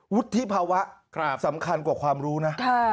วุฒิภาวะสำคัญกว่าความรู้นะ